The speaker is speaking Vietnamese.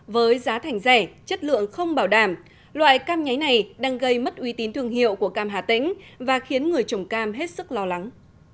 với giá thành rẻ chất lượng không bảo đảm loại cam nháy này đang gây mất uy tín thương hiệu của cam hà tĩnh và khiến người trồng cam hết sức lo lắng